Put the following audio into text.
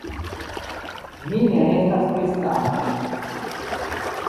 Mi ne estas kristano.